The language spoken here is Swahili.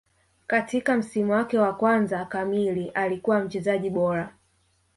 Katika msimu wake wa kwanza kamili alikuwa mchezaji bora